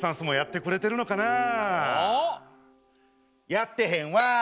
やってへんわ。